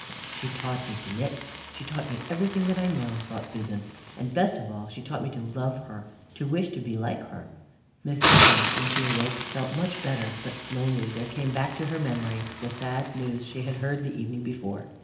"She taught me to knit, she taught me everything that I know," thought Susan, "and best of all, she taught me to love her, to wish to be like her." Mrs. Price, when she awoke, felt much better, but slowly there came back to her memory the sad news she had heard the evening before.